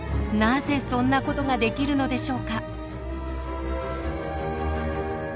なぜそんなことができるのでしょうか？